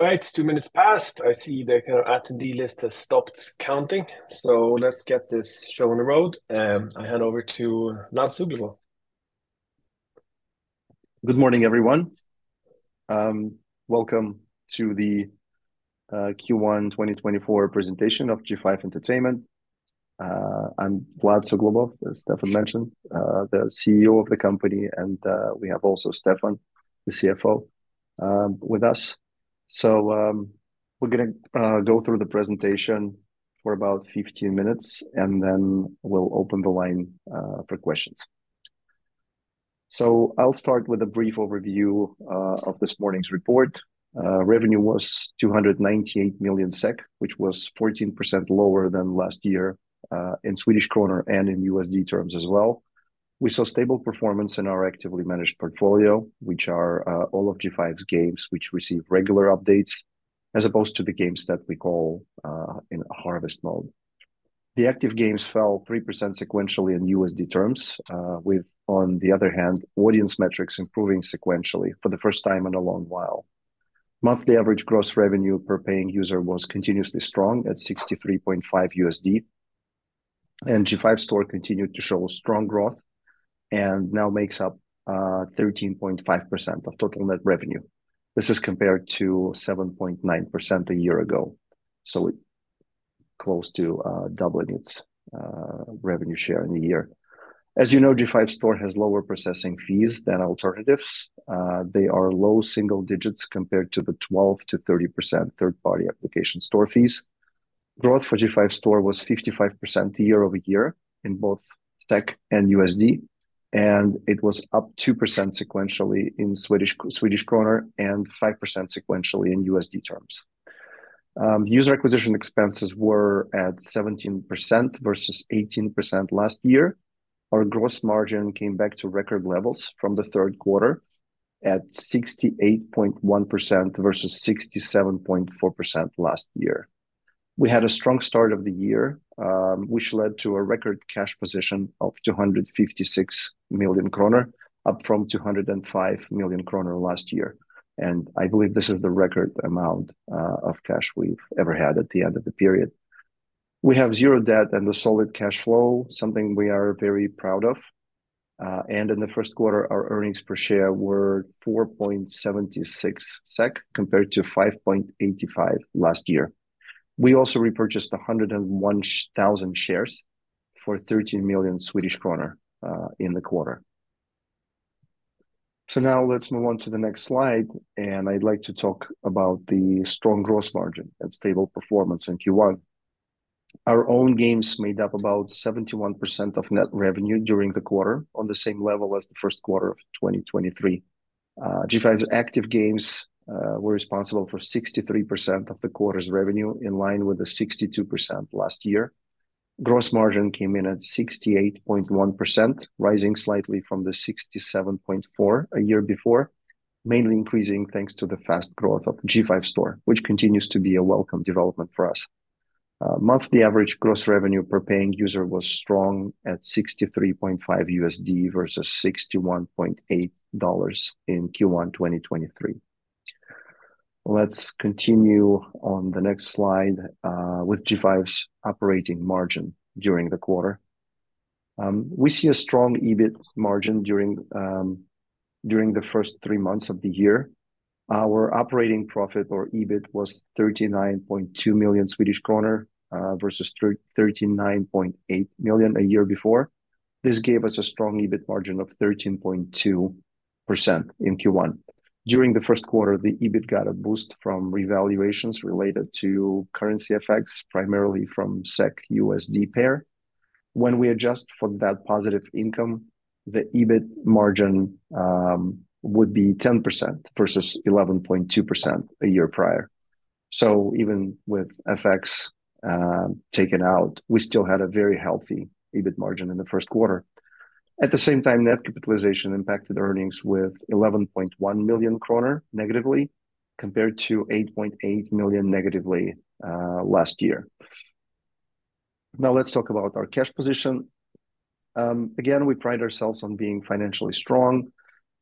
Right, 2 minutes passed. I see the kind of attendee list has stopped counting, so let's get this show on the road. I hand over to Vlad Suglobov. Good morning, everyone. Welcome to the Q1 2024 presentation of G5 Entertainment. I'm Vlad Suglobov, as Stefan mentioned, the CEO of the company, and we have also Stefan, the CFO, with us. So, we're gonna go through the presentation for about 15 minutes, and then we'll open the line for questions. So I'll start with a brief overview of this morning's report. Revenue was 298 million SEK, which was 14% lower than last year, in Swedish kronor and in USD terms as well. We saw stable performance in our actively managed portfolio, which are all of G5's games, which receive regular updates as opposed to the games that we call in harvest mode. The active games fell 3% sequentially in USD terms, with on the other hand, audience metrics improving sequentially for the first time in a long while. Monthly average gross revenue per paying user was continuously strong at $63.5, and G5 Store continued to show strong growth and now makes up 13.5% of total net revenue. This is compared to 7.9% a year ago, so it's close to doubling its revenue share in a year. As you know, G5 Store has lower processing fees than alternatives. They are low single digits compared to the 12%-30% third-party application store fees. Growth for G5 Store was 55% year-over-year in both SEK and USD, and it was up 2% sequentially in Swedish kronor and 5% sequentially in USD terms. User acquisition expenses were at 17% versus 18% last year. Our gross margin came back to record levels from the Q3 at 68.1% versus 67.4% last year. We had a strong start of the year, which led to a record cash position of 256 million kronor, up from 205 million kronor last year. I believe this is the record amount of cash we've ever had at the end of the period. We have zero debt and a solid cash flow, something we are very proud of. In the Q1, our earnings per share were 4.76 SEK compared to 5.85 last year. We also repurchased 101,000 shares for 13 million Swedish kronor in the quarter. So now let's move on to the next slide, and I'd like to talk about the strong gross margin and stable performance in Q1. Our own games made up about 71% of net revenue during the quarter, on the same level as the Q1 of 2023. G5's active games were responsible for 63% of the quarter's revenue, in line with the 62% last year. Gross margin came in at 68.1%, rising slightly from the 67.4% a year before, mainly increasing thanks to the fast growth of G5 Store, which continues to be a welcome development for us. Monthly average gross revenue per paying user was strong at $63.5 versus $61.8 in Q1 2023. Let's continue on the next slide, with G5's operating margin during the quarter. We see a strong EBIT margin during the first three months of the year. Our operating profit, or EBIT, was 39.2 million Swedish kronor, versus 39.8 million a year before. This gave us a strong EBIT margin of 13.2% in Q1. During the Q1, the EBIT got a boost from revaluations related to currency effects, primarily from SEK/USD pair. When we adjust for that positive income, the EBIT margin would be 10% versus 11.2% a year prior. So even with effects taken out, we still had a very healthy EBIT margin in the Q1. At the same time, net capitalization impacted earnings with 11.1 million kronor negatively compared to 8.8 million negatively last year. Now let's talk about our cash position. Again, we pride ourselves on being financially strong,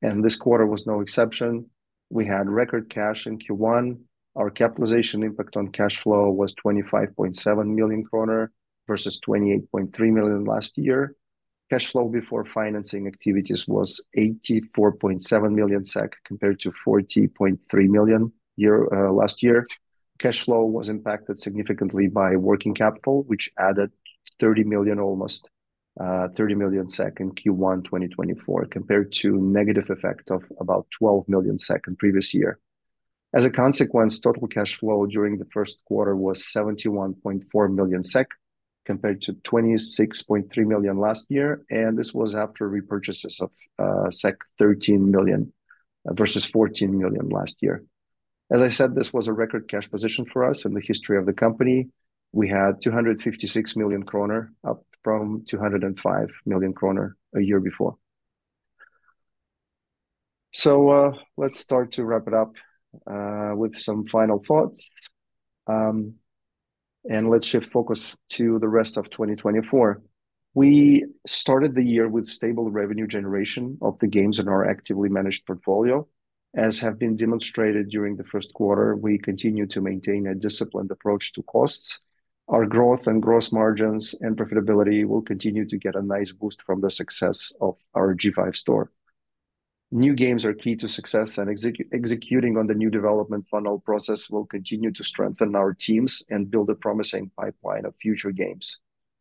and this quarter was no exception. We had record cash in Q1. Our capitalization impact on cash flow was 25.7 million kronor versus 28.3 million last year. Cash flow before financing activities was 84.7 million SEK compared to 40.3 million last year. Cash flow was impacted significantly by working capital, which added 30 million almost, 30 million SEK in Q1 2024 compared to negative effect of about 12 million SEK in previous year. As a consequence, total cash flow during the Q1 was 71.4 million SEK compared to 26.3 million last year, and this was after repurchases of 13 million versus 14 million last year. As I said, this was a record cash position for us in the history of the company. We had 256 million kronor, up from 205 million kronor a year before. So, let's start to wrap it up with some final thoughts. And let's shift focus to the rest of 2024. We started the year with stable revenue generation of the games in our actively managed portfolio. As have been demonstrated during the Q1, we continue to maintain a disciplined approach to costs. Our growth and gross margins and profitability will continue to get a nice boost from the success of our G5 Store. New games are key to success, and executing on the new development funnel process will continue to strengthen our teams and build a promising pipeline of future games.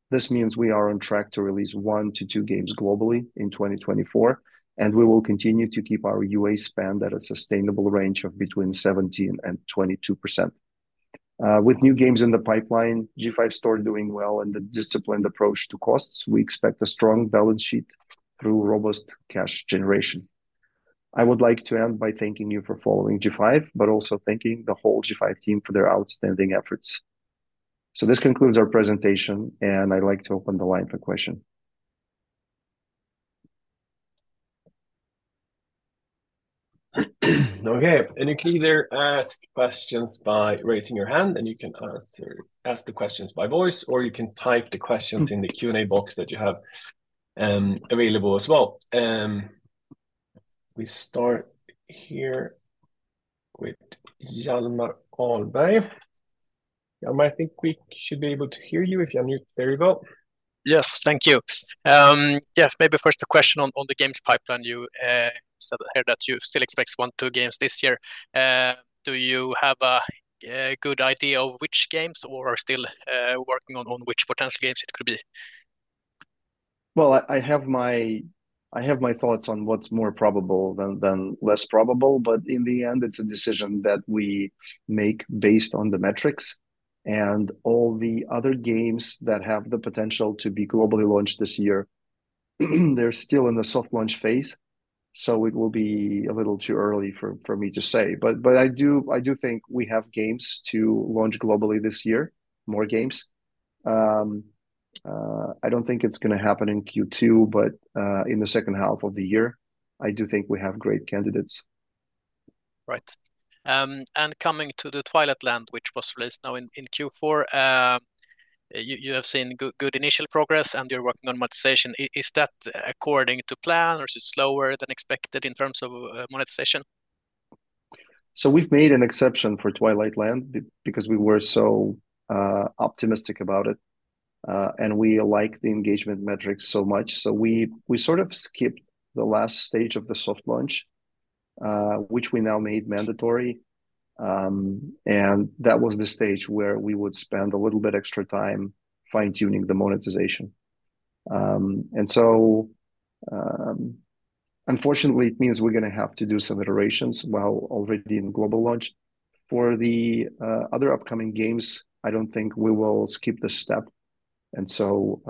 This means we are on track to release one to two games globally in 2024, and we will continue to keep our UA spend at a sustainable range of between 17% and 22%. With new games in the pipeline, G5 Store doing well, and the disciplined approach to costs, we expect a strong balance sheet through robust cash generation. I would like to end by thanking you for following G5, but also thanking the whole G5 team for their outstanding efforts. So this concludes our presentation, and I'd like to open the line for questions. Okay, and you can either ask questions by raising your hand, and you can ask the questions by voice, or you can type the questions in the Q&A box that you have available as well. We start here with Hjalmar Ahlberg. Hjalmar, I think we should be able to hear you. If you're new, there you go. Yes, thank you. Yes, maybe first a question on the games pipeline. You said heard that you still expect one, two games this year. Do you have a good idea of which games or are still working on which potential games it could be? Well, I have my thoughts on what's more probable than less probable, but in the end, it's a decision that we make based on the metrics. All the other games that have the potential to be globally launched this year, they're still in the soft launch phase. So it will be a little too early for me to say. But I do think we have games to launch globally this year, more games. I don't think it's going to happen in Q2, but in the second half of the year, I do think we have great candidates. Right. Coming to the Twilight Land, which was released now in Q4, you have seen good initial progress, and you're working on monetization. Is that according to plan, or is it slower than expected in terms of monetization? So we've made an exception for Twilight Land because we were so optimistic about it. And we liked the engagement metrics so much. So we sort of skipped the last stage of the soft launch, which we now made mandatory. And that was the stage where we would spend a little bit extra time fine-tuning the monetization. And so, unfortunately, it means we're going to have to do some iterations while already in global launch. For the other upcoming games, I don't think we will skip this step. And so,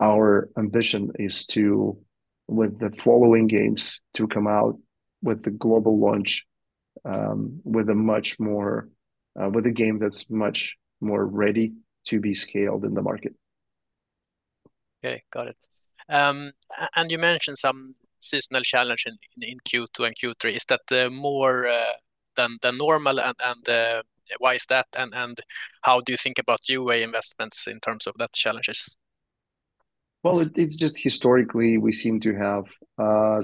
our ambition is to, with the following games to come out with the global launch, with a much more, with a game that's much more ready to be scaled in the market. Okay, got it. You mentioned some seasonal challenge in Q2 and Q3. Is that more than normal, and why is that, and how do you think about UA investments in terms of that challenges? Well, it's just historically, we seem to have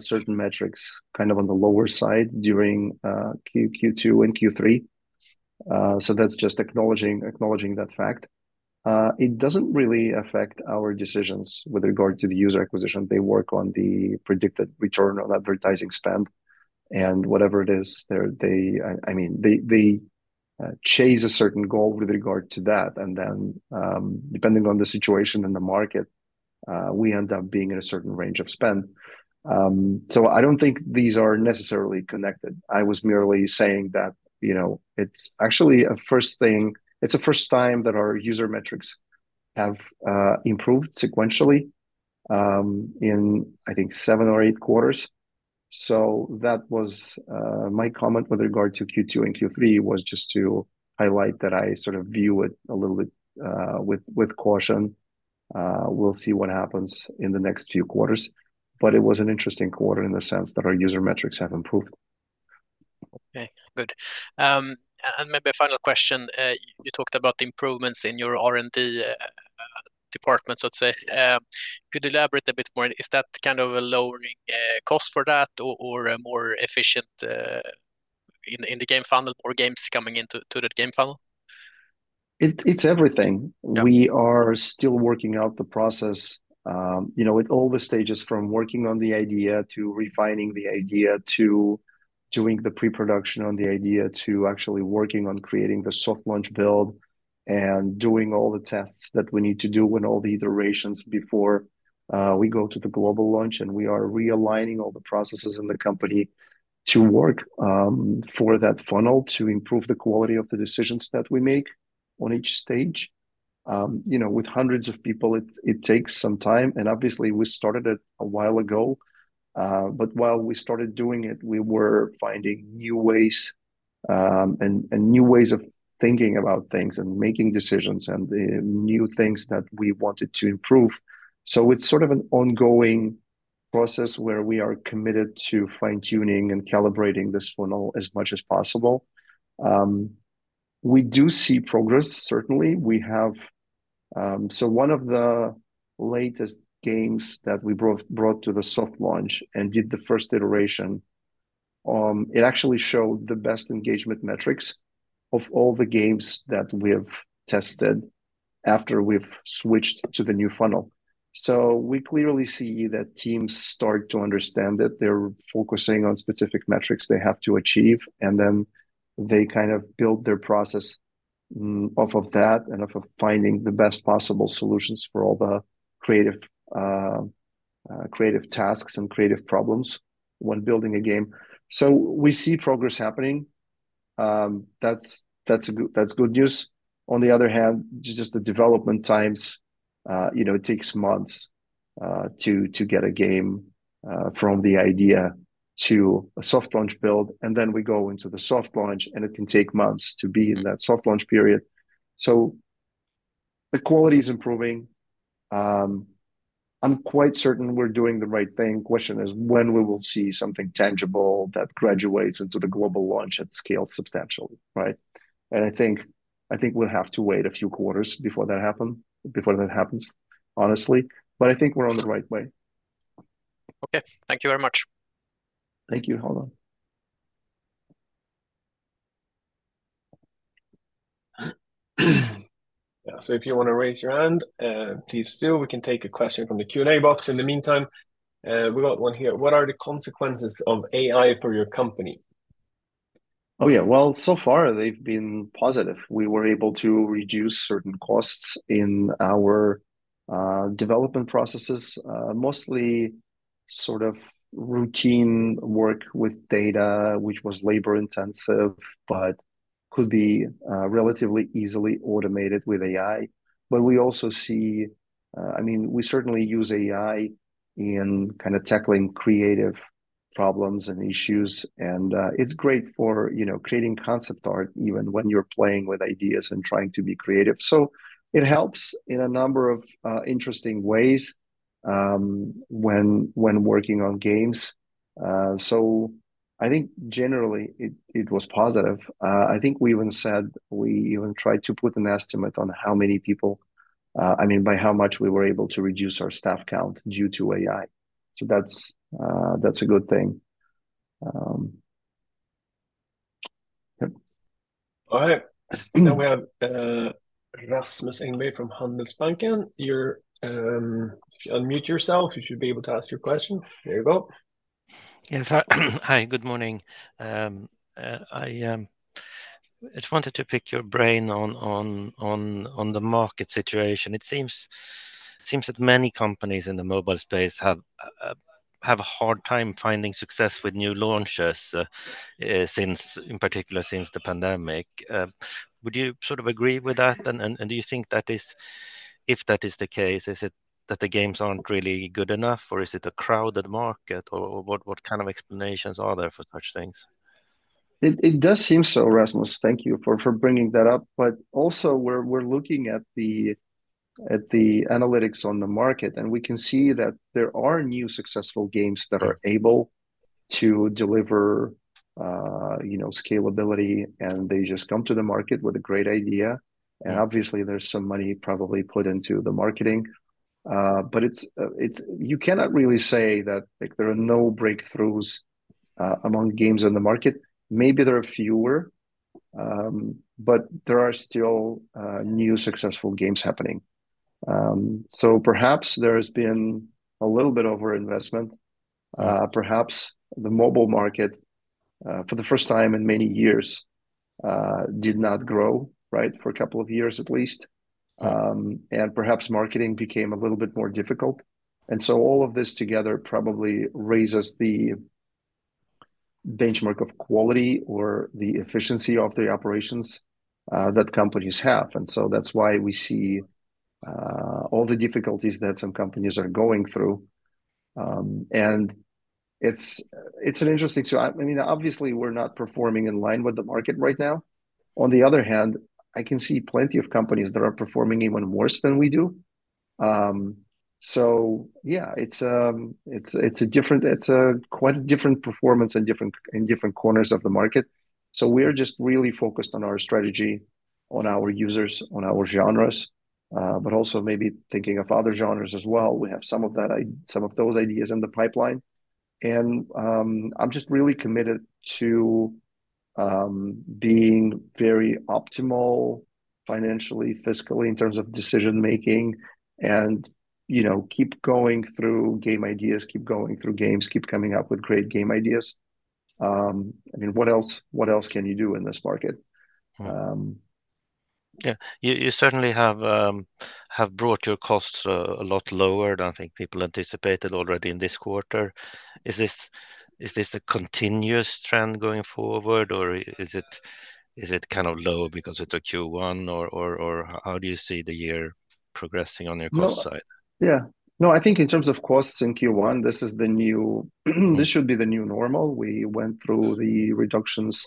certain metrics kind of on the lower side during Q2 and Q3. So that's just acknowledging that fact. It doesn't really affect our decisions with regard to the user acquisition. They work on the predicted return on advertising spend. And whatever it is, they I mean, they chase a certain goal with regard to that, and then, depending on the situation in the market, we end up being in a certain range of spend. So I don't think these are necessarily connected. I was merely saying that, you know, it's actually a first thing it's a first time that our user metrics have improved sequentially, in I think seven or eight quarters. So that was my comment with regard to Q2 and Q3 was just to highlight that I sort of view it a little bit with caution. We'll see what happens in the next few quarters. But it was an interesting quarter in the sense that our user metrics have improved. Okay, good. And maybe a final question. You talked about the improvements in your R&D department, so to say. Could you elaborate a bit more? Is that kind of a lowering cost for that, or a more efficient in the game funnel, more games coming into that game funnel? It's everything. We are still working out the process, you know, at all the stages, from working on the idea to refining the idea to doing the pre-production on the idea to actually working on creating the soft launch build and doing all the tests that we need to do and all the iterations before we go to the global launch. We are realigning all the processes in the company to work for that funnel to improve the quality of the decisions that we make on each stage, you know, with hundreds of people. It takes some time. Obviously, we started it a while ago. But while we started doing it, we were finding new ways and new ways of thinking about things and making decisions and the new things that we wanted to improve. So it's sort of an ongoing process where we are committed to fine-tuning and calibrating this funnel as much as possible. We do see progress, certainly. We have, so one of the latest games that we brought to the soft launch and did the first iteration, it actually showed the best engagement metrics of all the games that we have tested after we've switched to the new funnel. So we clearly see that teams start to understand that they're focusing on specific metrics they have to achieve, and then they kind of build their process off of that and off of finding the best possible solutions for all the creative tasks and creative problems when building a game. So we see progress happening. That's good news. On the other hand, just the development times, you know, it takes months to get a game from the idea to a soft launch build, and then we go into the soft launch, and it can take months to be in that soft launch period. So the quality is improving. I'm quite certain we're doing the right thing. Question is when we will see something tangible that graduates into the global launch at scale substantially, right? And I think we'll have to wait a few quarters before that happens, honestly. But I think we're on the right way. Okay, thank you very much. Thank you, Hjalmar. Yeah, so if you want to raise your hand, please do. We can take a question from the Q&A box in the meantime. We got one here. What are the consequences of AI for your company? Oh yeah, well, so far, they've been positive. We were able to reduce certain costs in our development processes, mostly sort of routine work with data, which was labor-intensive but could be relatively easily automated with AI. But we also see, I mean, we certainly use AI in kind of tackling creative problems and issues. And it's great for, you know, creating concept art even when you're playing with ideas and trying to be creative. So it helps in a number of interesting ways, when working on games. So I think generally, it was positive. I think we even tried to put an estimate on how many people, I mean, by how much we were able to reduce our staff count due to AI. So that's a good thing. Yep. All right. Now we have Rasmus Engberg from Handelsbanken. You're, if you unmute yourself, you should be able to ask your question. There you go. Yes, hi, good morning. I just wanted to pick your brain on the market situation. It seems that many companies in the mobile space have a hard time finding success with new launches, since, in particular, since the pandemic. Would you sort of agree with that? And do you think that is, if that is the case, is it that the games aren't really good enough, or is it a crowded market, or what kind of explanations are there for such things? It does seem so, Rasmus. Thank you for bringing that up. But also, we're looking at the analytics on the market, and we can see that there are new successful games that are able to deliver, you know, scalability, and they just come to the market with a great idea. And obviously, there's some money probably put into the marketing. But it's you cannot really say that like there are no breakthroughs among games in the market. Maybe there are fewer, but there are still new successful games happening. So perhaps there has been a little bit of overinvestment. Perhaps the mobile market, for the first time in many years, did not grow, right, for a couple of years at least. And perhaps marketing became a little bit more difficult. And so all of this together probably raises the benchmark of quality or the efficiency of the operations that companies have. And so that's why we see all the difficulties that some companies are going through. And it's an interesting story. I mean, obviously, we're not performing in line with the market right now. On the other hand, I can see plenty of companies that are performing even worse than we do. So yeah, it's a different, it's a quite different performance in different corners of the market. So we're just really focused on our strategy, on our users, on our genres, but also maybe thinking of other genres as well. We have some of those ideas in the pipeline. I'm just really committed to being very optimal financially, fiscally, in terms of decision-making, and, you know, keep going through game ideas, keep going through games, keep coming up with great game ideas. I mean, what else what else can you do in this market? Yeah, you certainly have brought your costs a lot lower than I think people anticipated already in this quarter. Is this a continuous trend going forward, or is it kind of low because it's a Q1, or how do you see the year progressing on your cost side? Yeah, no, I think in terms of costs in Q1, this is the new this should be the new normal. We went through the reductions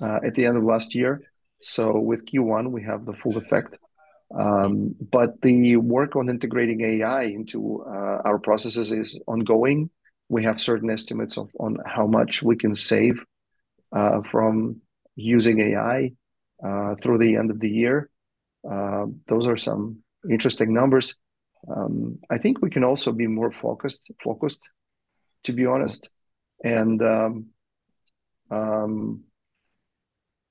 at the end of last year. So with Q1, we have the full effect. But the work on integrating AI into our processes is ongoing. We have certain estimates of on how much we can save from using AI through the end of the year. Those are some interesting numbers. I think we can also be more focused focused, to be honest. And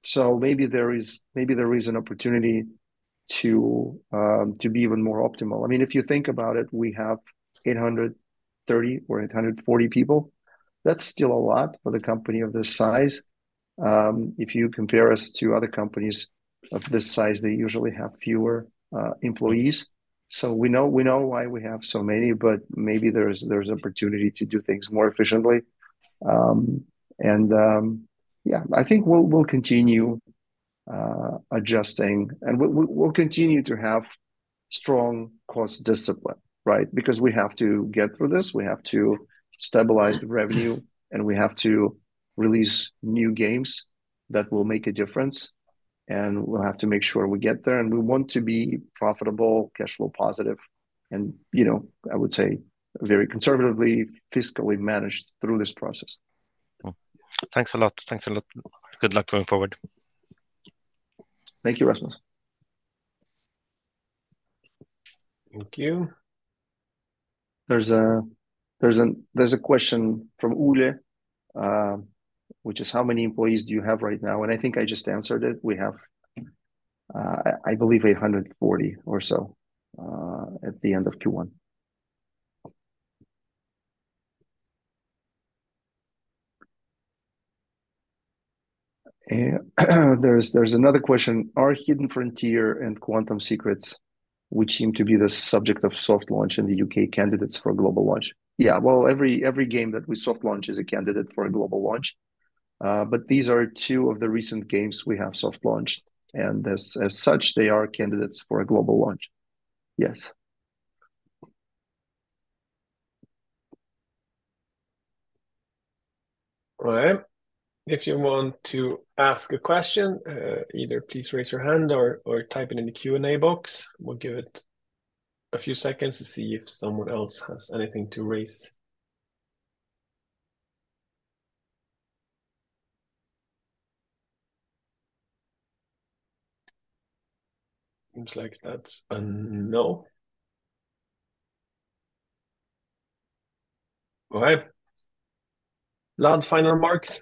so maybe there is maybe there is an opportunity to to be even more optimal. I mean, if you think about it, we have 830 or 840 people. That's still a lot for the company of this size. If you compare us to other companies of this size, they usually have fewer employees. So we know why we have so many, but maybe there's opportunity to do things more efficiently. And yeah, I think we'll continue adjusting, and we'll continue to have strong cost discipline, right, because we have to get through this. We have to stabilize the revenue, and we have to release new games that will make a difference. And we'll have to make sure we get there, and we want to be profitable, cash flow positive, and, you know, I would say very conservatively fiscally managed through this process. Cool. Thanks a lot. Thanks a lot. Good luck going forward. Thank you, Rasmus. Thank you. There's a question from Olle, which is, "How many employees do you have right now?" And I think I just answered it. We have, I believe, 840 or so, at the end of Q1. And there's another question. Are Hidden Frontier and Quantum Secrets, which seem to be the subject of soft launch in the U.K., candidates for a global launch? Yeah, well, every game that we soft launch is a candidate for a global launch. But these are two of the recent games we have soft launched, and as such, they are candidates for a global launch. Yes. All right. If you want to ask a question, either please raise your hand or type it in the Q&A box. We'll give it a few seconds to see if someone else has anything to raise. Seems like that's a no. All right. Last final remarks.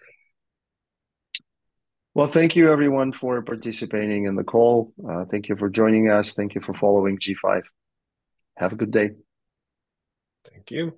Well, thank you, everyone, for participating in the call. Thank you for joining us. Thank you for following G5. Have a good day. Thank you.